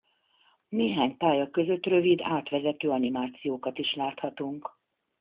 Néhány pálya között rövid átvezető animációkat is láthatunk.